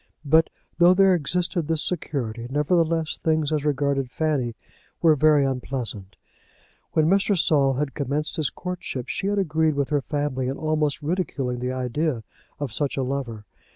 But though there existed this security, nevertheless things as regarded Fanny were very unpleasant. When Mr. Saul had commenced his courtship, she had agreed with her family in almost ridiculing the idea of such a lover.